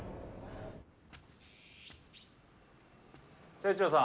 清張さん。